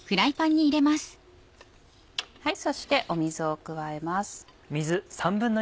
そして水を加えます。